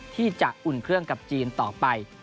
อุ่นเครื่องกับจีนต่อไป